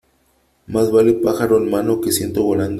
Más vale pájaro en mano que ciento volando.